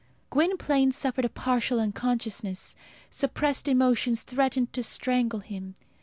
Gwynplaine suffered a partial unconsciousness. Suppressed emotions threatened to strangle him.